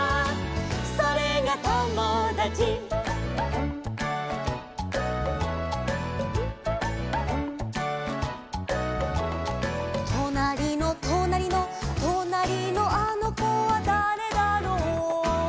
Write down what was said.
「それがともだち」「となりのとなりの」「となりのあのこはだれだろう」